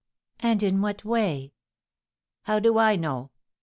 and in what way?" "How do I know!